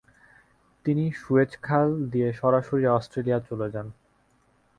তিনি সুয়েজ খাল দিয়ে সরাসরি অস্ট্রেলিয়া চলে যান।